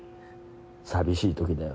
寂しいときだよ。